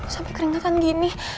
sampai keringetan gini